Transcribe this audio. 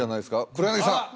黒柳さん！